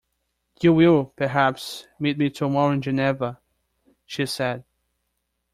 "You will, perhaps, meet me tomorrow in Geneva," she said.